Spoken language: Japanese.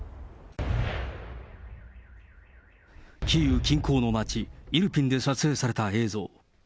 キーウ近郊の町、イルピンで撮影された映像。